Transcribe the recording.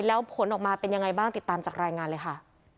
แล้วผลออกมาเป็นยังไงบ้างติดตามจากรายงานเลยค่ะ